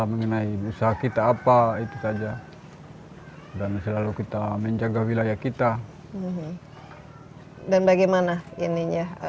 mengenai usaha kita apa itu saja dan selalu kita menjaga wilayah kita dan bagaimana ininya